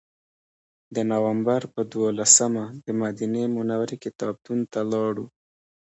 د نوامبر په دولسمه دمدینې منورې کتابتون ته لاړو.